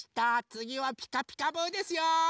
つぎは「ピカピカブ！」ですよ。